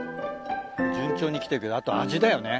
順調に来てるけどあと味だよね。